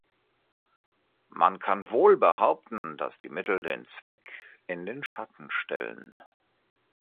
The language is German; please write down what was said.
Man kann wohl behaupten, dass die Mittel den Zweck in den Schatten stellen.